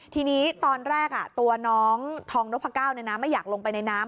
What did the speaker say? ทีนี้ตอนแรกตัวน้องทองนพก้าวไม่อยากลงไปในน้ำ